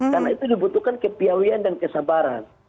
karena itu dibutuhkan kepiawian dan kesabaran